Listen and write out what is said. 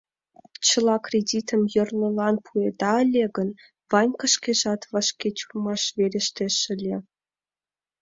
Чыла кредитым йорлылан пуэда ыле гын, Ванька шкежат вашке тюрьмаш верештеш ыле.